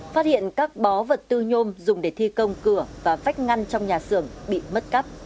phát hiện các bó vật tư nhôm dùng để thi công cửa và phách ngăn trong nhà xưởng bị mất cắp